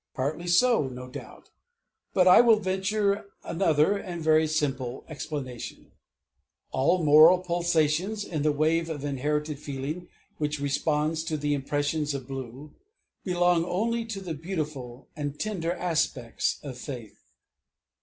Partly so, no doubt; but I will venture another, and a very simple explanation: _All moral pulsations in the wave of inherited feeling which responds to the impression of blue, belong only to the beautiful and tender aspects of faith.